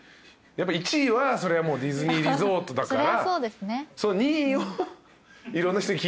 やっぱ１位はそりゃもうディズニーリゾートだから。